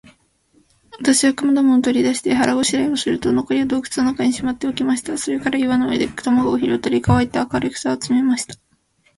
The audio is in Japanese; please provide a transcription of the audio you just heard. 私は食物を取り出して、腹ごしらえをすると、残りは洞穴の中にしまっておきました。それから岩の上で卵を拾ったり、乾いた枯草を集めました。